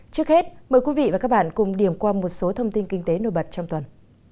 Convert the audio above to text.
trước hết mời quý vị và các bạn cùng điểm qua một số thông tin kinh tế nổi bật trong tuần